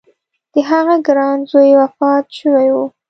د هغه ګران زوی وفات شوی و.